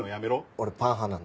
俺パン派なんで。